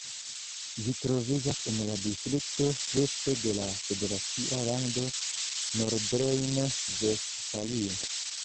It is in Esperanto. Ĝi troviĝas en la distrikto Lippe de la federacia lando Nordrejn-Vestfalio.